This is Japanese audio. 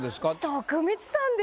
徳光さんですよ。